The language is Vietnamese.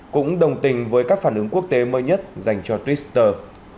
cũng đồng tình với các phản ứng quốc tế mới nhất dành cho twitter